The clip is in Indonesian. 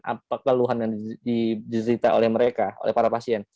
apa keluhan yang disita oleh mereka oleh para pasien